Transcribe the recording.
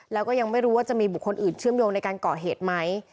แล้วก็ยังไม่รู้ว่าจะมีบุคคลอื่นเชื่อมโยงในการก่อเหตุไหม